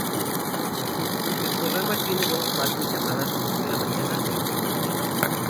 El programa tiene dos partes, llamadas ""Primera mañana"" y ""Segunda mañana"".